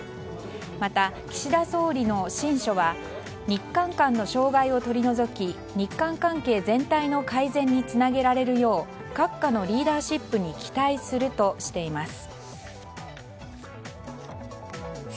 また、岸田総理の親書は日韓間の障害を取り除き日韓関係全体の改善につなげられるよう閣下のリーダーシップに期待するとしています。